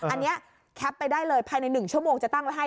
อันนี้แคปไปได้เลยภายใน๑ชั่วโมงจะตั้งไว้ให้